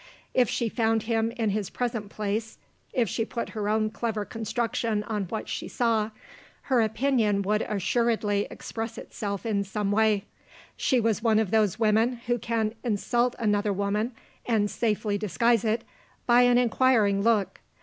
If she found him in his present place if she put her own clever construction on what she saw her opinion would assuredly express itself in some way. She was one of those women who can insult another woman (and safely disguise it) by an inquiring look.